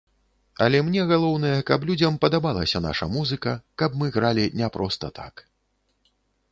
Але мне галоўнае, каб людзям падабалася наша музыка, каб мы гралі не проста так.